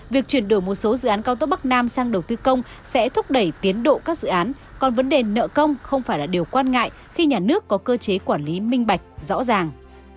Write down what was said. vấn đề nợ công không phải là điều quan ngại khi nhà nước có cơ chế quản lý minh bạch rõ ràng